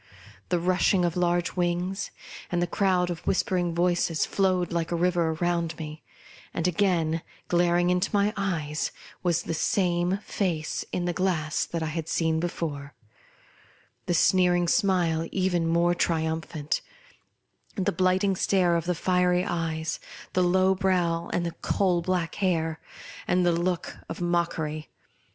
The rush ing of large wings, and the crowd of whisper ing voices flowed like a river round me ; and again, glaring into my eyes, was the same face in the glass that I had seen before, the sneering smile even more triumphant, the blighting stare of the fiery eyes, the low brow and the coal black hair, and the look of mock ery.